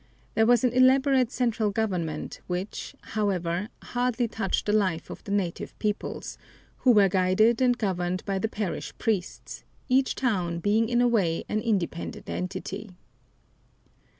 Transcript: There was an elaborate central government which, however, hardly touched the life of the native peoples, who were guided and governed by the parish priests, each town being in a way an independent entity.